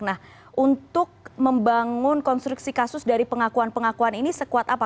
nah untuk membangun konstruksi kasus dari pengakuan pengakuan ini sekuat apa